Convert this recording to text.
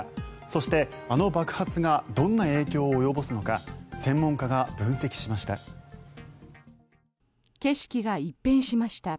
そして、あの爆発がどんな影響を及ぼすのか専門家が分析しました。